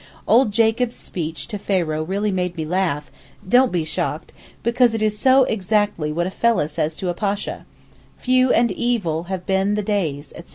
Old Jacob's speech to Pharaoh really made me laugh (don't be shocked), because it is so exactly what a fellah says to a Pasha: 'Few and evil have been the days,' etc.